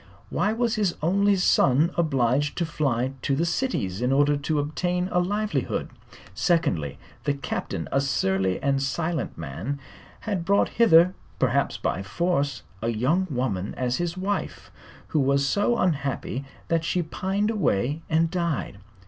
Why was his only son obliged to fly to the cities in order to obtain a livelihood? Secondly, the Captain, a surly and silent man, had brought hither perhaps by force a young woman as his wife who was so unhappy that she pined away and died.